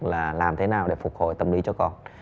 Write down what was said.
là làm thế nào để phục hồi tâm lý cho con